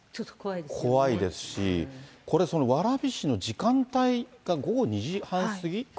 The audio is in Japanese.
怖いですし、これ、その蕨市の時間帯が午後２時半過ぎ？